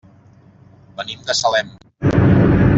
Venim de Salem.